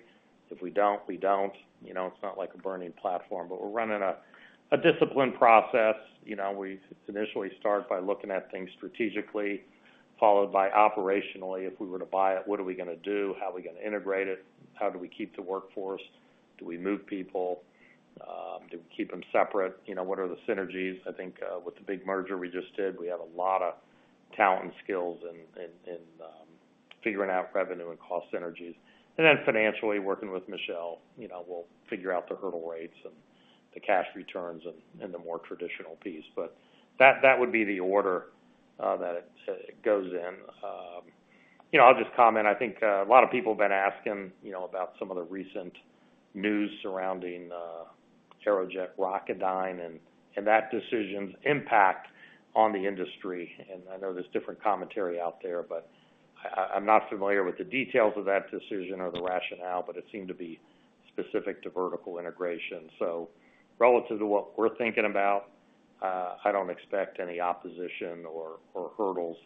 If we don't, we don't. You know, it's not like a burning platform. We're running a disciplined process. You know, we initially start by looking at things strategically, followed by operationally. If we were to buy it, what are we gonna do? How are we gonna integrate it? How do we keep the workforce? Do we move people? Do we keep them separate? You know, what are the synergies? I think, with the big merger we just did, we have a lot of talent and skills in figuring out revenue and cost synergies. Then financially, working with Michelle, you know, we'll figure out the hurdle rates and the cash returns and the more traditional piece. That would be the order that it goes in. You know, I'll just comment. I think a lot of people have been asking, you know, about some of the recent news surrounding Aerojet Rocketdyne and that decision's impact on the industry. I know there's different commentary out there, but I'm not familiar with the details of that decision or the rationale, but it seemed to be specific to vertical integration. Relative to what we're thinking about, I don't expect any opposition or hurdles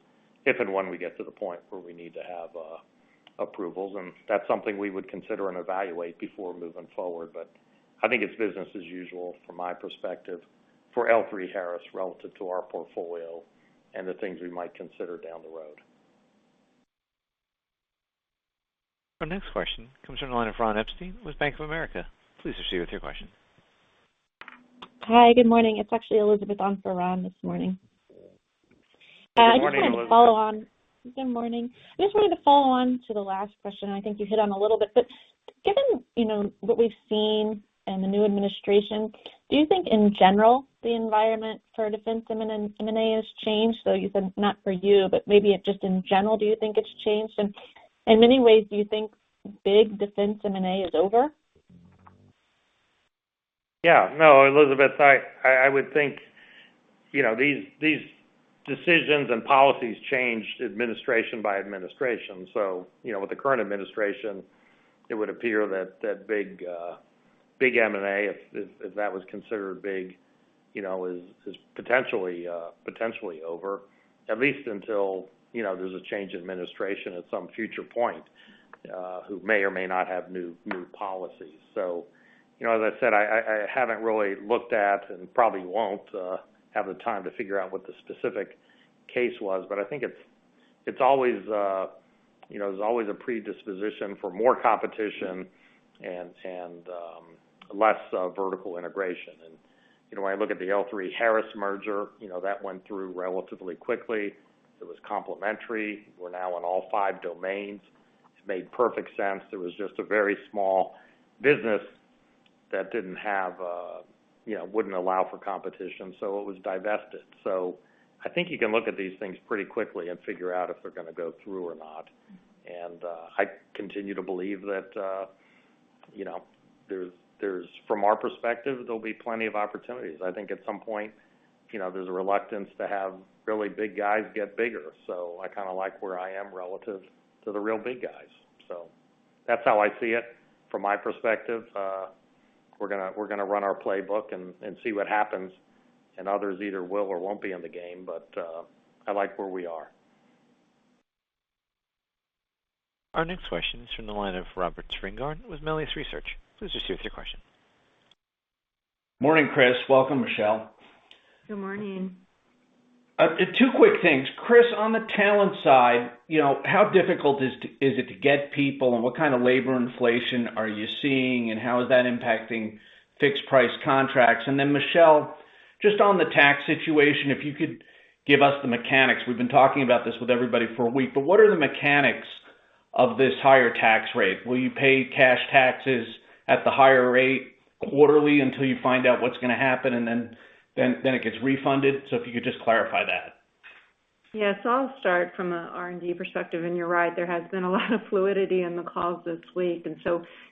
if and when we get to the point where we need to have approvals. That's something we would consider and evaluate before moving forward. I think it's business as usual from my perspective for L3Harris relative to our portfolio and the things we might consider down the road. Our next question comes from the line of Ron Epstein with Bank of America. Please proceed with your question. Hi. Good morning. It's actually Elizabeth on for Ron this morning. Good morning, Elizabeth. I just wanted to follow on. Good morning. I just wanted to follow on to the last question. I think you hit on a little bit, but given, you know, what we've seen in the new administration, do you think in general the environment for defense M&A has changed? You said it's not for you, but maybe if just in general, do you think it's changed? In many ways, do you think big defense M&A is over? Yeah. No, Elizabeth, I would think, you know, these decisions and policies change administration by administration. With the current administration, it would appear that that big M&A, if that was considered big, you know, is potentially over at least until, you know, there's a change in administration at some future point, who may or may not have new policies. As I said, I haven't really looked at and probably won't have the time to figure out what the specific case was. I think it's always, you know, there's always a predisposition for more competition and less vertical integration. You know, when I look at the L3Harris merger, you know, that went through relatively quickly. It was complementary. We're now in all five domains. It made perfect sense. There was just a very small business that didn't have, you know, wouldn't allow for competition, so it was divested. I think you can look at these things pretty quickly and figure out if they're gonna go through or not. I continue to believe that, you know, from our perspective, there'll be plenty of opportunities. I think at some point, you know, there's a reluctance to have really big guys get bigger. I kinda like where I am relative to the real big guys. That's how I see it from my perspective. We're gonna run our playbook and see what happens, and others either will or won't be in the game. I like where we are. Our next question is from the line of Robert Spingarn with Melius Research. Please just give us your question. Morning, Chris. Welcome, Michelle. Good morning. Two quick things. Chris, on the talent side, you know, how difficult is it to get people, and what kind of labor inflation are you seeing, and how is that impacting fixed price contracts? Michelle, just on the tax situation, if you could give us the mechanics. We've been talking about this with everybody for a week, but what are the mechanics of this higher tax rate? Will you pay cash taxes at the higher rate quarterly until you find out what's gonna happen, and then it gets refunded? If you could just clarify that. Yes. I'll start from a R&D perspective. You're right, there has been a lot of fluidity in the calls this week.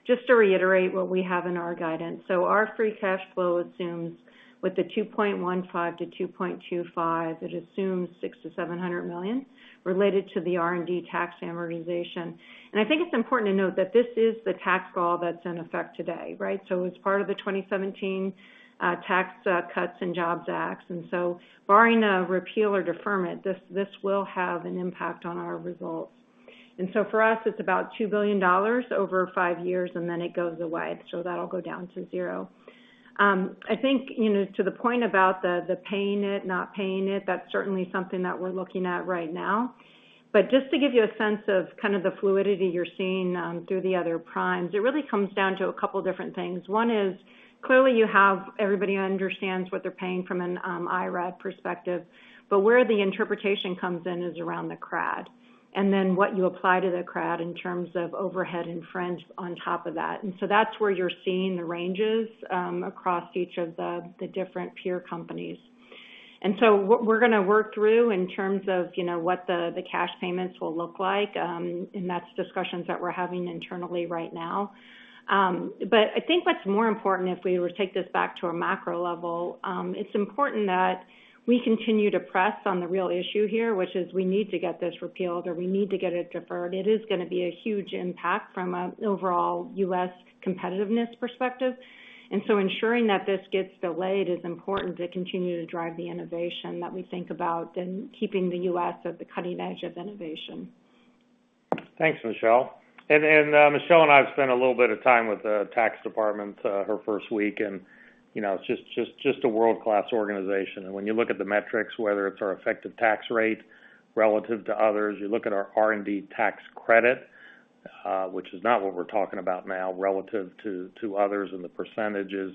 Just to reiterate what we have in our guidance. Our free cash flow assumes with the $2.15 billion-$2.25 billion, it assumes $600 million-$700 million related to the R&D tax amortization. I think it's important to note that this is the tax law that's in effect today, right? It's part of the 2017 Tax Cuts and Jobs Act. Barring a repeal or deferment, this will have an impact on our results. For us, it's about $2 billion over five years, and then it goes away. That'll go down to zero. I think, you know, to the point about the paying it, not paying it, that's certainly something that we're looking at right now. Just to give you a sense of kind of the fluidity you're seeing through the other primes, it really comes down to a couple different things. One is, clearly, you have everybody understands what they're paying from an IRAD perspective, but where the interpretation comes in is around the CRAD, and then what you apply to the CRAD in terms of overhead and fringe on top of that. That's where you're seeing the ranges across each of the different peer companies. We're gonna work through in terms of, you know, what the cash payments will look like, and that's discussions that we're having internally right now. I think what's more important if we were to take this back to a macro level, it's important that we continue to press on the real issue here, which is we need to get this repealed or we need to get it deferred. It is gonna be a huge impact from an overall U.S. competitiveness perspective. Ensuring that this gets delayed is important to continue to drive the innovation that we think about in keeping the U.S. at the cutting edge of innovation. Thanks, Michelle. Michelle and I have spent a little bit of time with the tax department in her first week, and you know, it's just a world-class organization. When you look at the metrics, whether it's our effective tax rate relative to others, you look at our R&D tax credit, which is not what we're talking about now, relative to others and the percentages,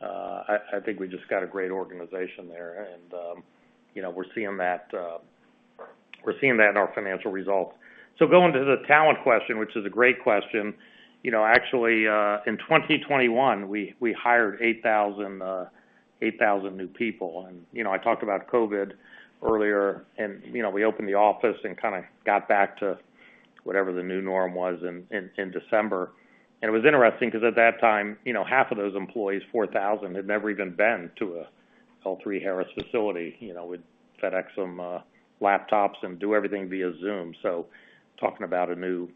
I think we just got a great organization there. You know, we're seeing that in our financial results. Going to the talent question, which is a great question. You know, actually, in 2021, we hired 8,000 new people. You know, I talked about COVID earlier, and you know, we opened the office and kinda got back to whatever the new norm was in December. It was interesting 'cause at that time, you know, half of those employees, 4,000, had never even been to a L3Harris facility. You know, we'd FedEx them laptops and do everything via Zoom. Talking about a new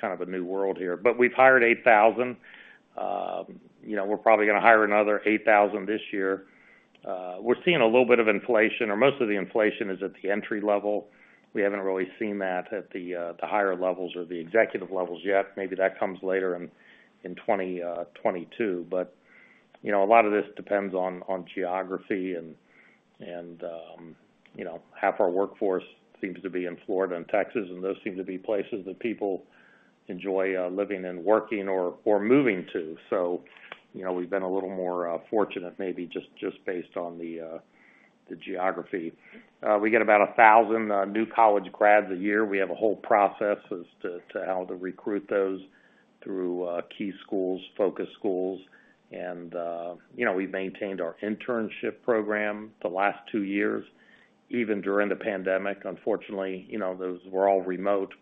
kind of a new world here. We've hired 8,000. You know, we're probably gonna hire another 8,000 this year. We're seeing a little bit of inflation, or most of the inflation is at the entry level. We haven't really seen that at the higher levels or the executive levels yet. Maybe that comes later in 2022. You know, a lot of this depends on geography and, you know, half our workforce seems to be in Florida and Texas, and those seem to be places that people enjoy living and working or moving to. You know, we've been a little more fortunate maybe just based on the geography. We get about 1,000 new college grads a year. We have a whole process as to how to recruit those through key schools, focus schools. You know, we've maintained our internship program the last two years, even during the pandemic. Unfortunately, you know, those were all remote.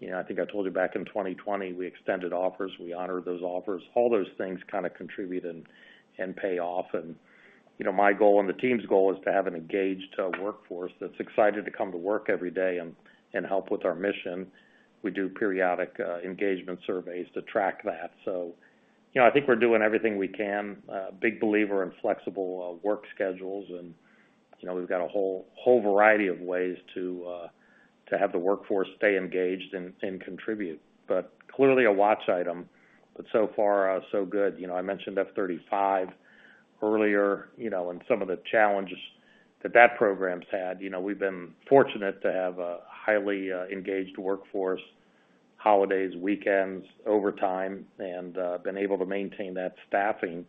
You know, I think I told you back in 2020, we extended offers, we honored those offers. All those things kinda contribute and pay off. You know, my goal and the team's goal is to have an engaged workforce that's excited to come to work every day and help with our mission. We do periodic engagement surveys to track that. You know, I think we're doing everything we can. A big believer in flexible work schedules and you know, we've got a whole variety of ways to have the workforce stay engaged and contribute. Clearly a watch item, but so far, so good. You know, I mentioned F-35 earlier, you know, and some of the challenges that that program's had. You know, we've been fortunate to have a highly engaged workforce, holidays, weekends, overtime, and been able to maintain that staffing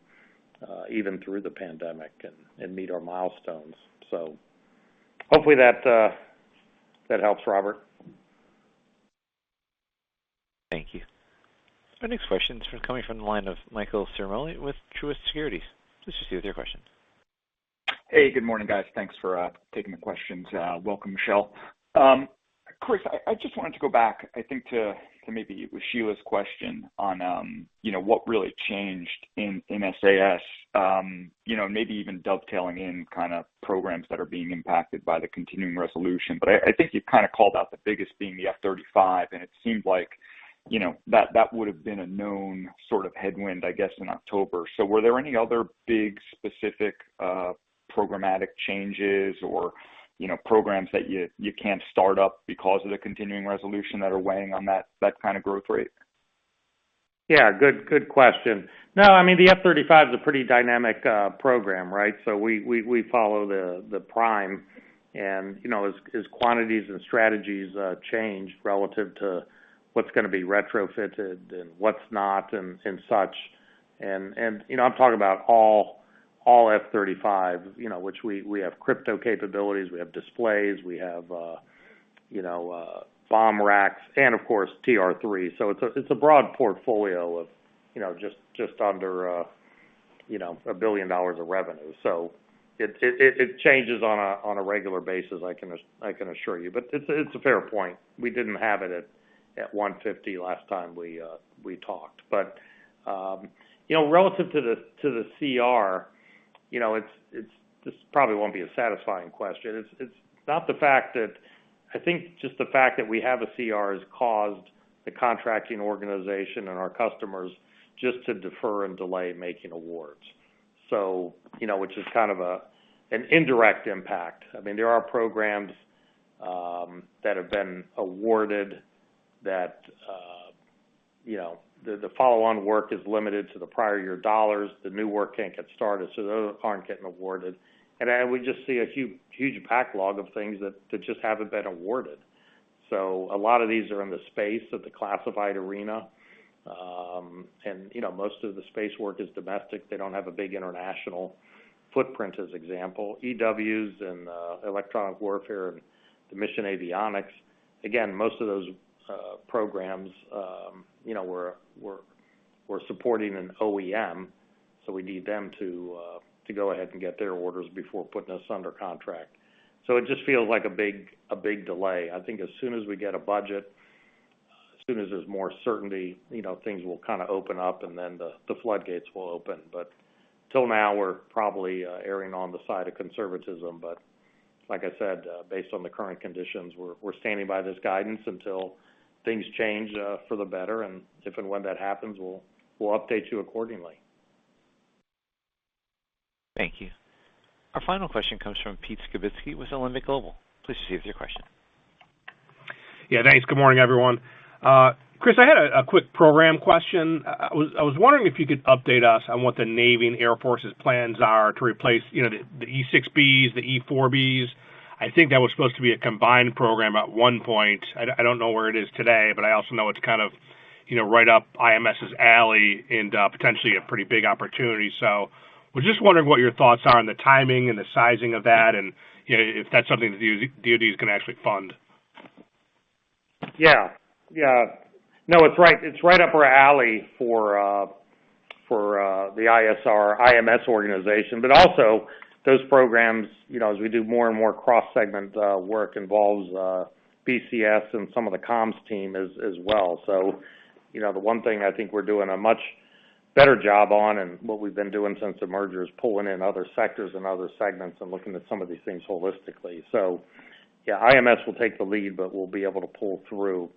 even through the pandemic and meet our milestones. Hopefully that helps, Robert. Thank you. Our next question is coming from the line of Michael Ciarmoli with Truist Securities. Please proceed with your question. Hey, good morning, guys. Thanks for taking the questions. Welcome, Michelle. Chris, I just wanted to go back, I think, to maybe with Sheila's question on, you know, what really changed in SAS, you know, maybe even dovetailing in kind of programs that are being impacted by the continuing resolution. But I think you've kind of called out the biggest being the F-35, and it seems like, you know, that would've been a known sort of headwind, I guess, in October. Were there any other big specific programmatic changes or, you know, programs that you can't start up because of the continuing resolution that are weighing on that kind of growth rate? Yeah, good question. No, I mean, the F-35 is a pretty dynamic program, right? We follow the prime and, you know, as quantities and strategies change relative to what's gonna be retrofitted and what's not and such. You know, I'm talking about all F-35, you know, which we have crypto capabilities, we have displays, we have bomb racks and of course TR-3. It's a broad portfolio of, you know, just under $1 billion of revenue. It changes on a regular basis, I can assure you. It's a fair point. We didn't have it at $150 million last time we talked. You know, relative to the CR, you know, it's—This probably won't be a satisfying question. It's not the fact that I think just the fact that we have a CR has caused the contracting organization and our customers just to defer and delay making awards. You know, which is kind of an indirect impact. I mean, there are programs that have been awarded that you know the follow-on work is limited to the prior year dollars. The new work can't get started, so those aren't getting awarded. We just see a huge backlog of things that just haven't been awarded. A lot of these are in the space of the classified arena. You know, most of the space work is domestic. They don't have a big international footprint, for example. EWs and electronic warfare and the mission avionics. Again, most of those programs, you know, we're supporting an OEM, so we need them to go ahead and get their orders before putting us under contract. So it just feels like a big delay. I think as soon as we get a budget, as soon as there's more certainty, you know, things will kind of open up, and then the floodgates will open. But till now, we're probably erring on the side of conservatism. But like I said, based on the current conditions, we're standing by this guidance until things change for the better. If and when that happens, we'll update you accordingly. Thank you. Our final question comes from Pete Skibitski with Alembic Global Advisors. Please proceed with your question. Yeah, thanks. Good morning, everyone. Chris, I had a quick program question. I was wondering if you could update us on what the Navy and Air Force's plans are to replace, you know, the E-6Bs, the E-4Bs. I think that was supposed to be a combined program at one point. I don't know where it is today, but I also know it's kind of, you know, right up IMS's alley and potentially a pretty big opportunity. Was just wondering what your thoughts are on the timing and the sizing of that and, you know, if that's something that DoD's gonna actually fund. Yeah. No, it's right up our alley for the ISR, IMS organization. But also those programs, you know, as we do more and more cross-segment work involves BCS and some of the comms team as well. You know, the one thing I think we're doing a much better job on and what we've been doing since the merger is pulling in other sectors and other segments and looking at some of these things holistically. Yeah, IMS will take the lead, but we'll be able to pull through.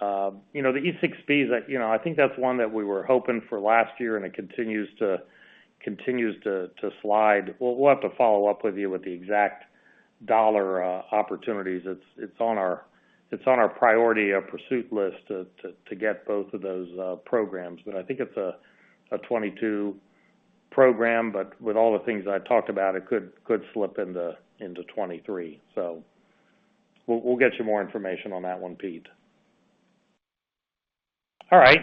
You know, the E-6Bs, you know, I think that's one that we were hoping for last year, and it continues to slide. We'll have to follow up with you with the exact dollar opportunities. It's on our priority pursuit list to get both of those programs. I think it's a 2022 program, but with all the things I talked about, it could slip into 2023. We'll get you more information on that one, Pete. All right.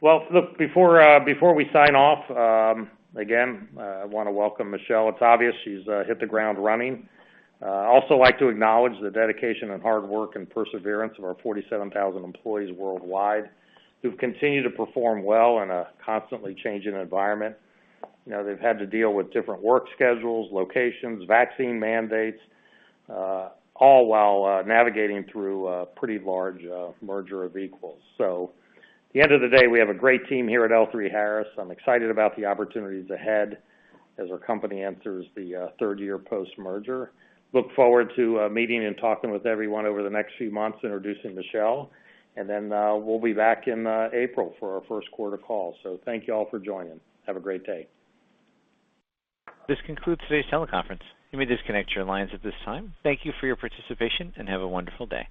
Well, look, before we sign off, again, I wanna welcome Michelle. It's obvious she's hit the ground running. I also like to acknowledge the dedication and hard work and perseverance of our 47,000 employees worldwide who've continued to perform well in a constantly changing environment. You know, they've had to deal with different work schedules, locations, vaccine mandates, all while navigating through a pretty large merger of equals. At the end of the day, we have a great team here at L3Harris. I'm excited about the opportunities ahead as our company enters the third year post-merger. I look forward to meeting and talking with everyone over the next few months and introducing Michelle. Then we'll be back in April for our first quarter call. Thank you all for joining. Have a great day. This concludes today's teleconference. You may disconnect your lines at this time. Thank you for your participation, and have a wonderful day.